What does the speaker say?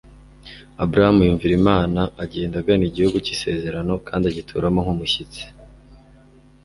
abrahamu yumvira imana agenda agana igihugu cy'isezerano kandi agituramo nk'umushyitsi